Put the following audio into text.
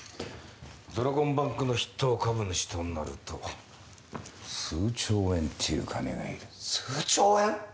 ドラゴンバンクの筆頭株主となると数兆円っていう金がいる数兆円！？